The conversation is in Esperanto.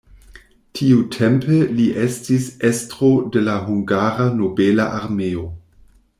Tiutempe li estis estro de la hungara nobela armeo.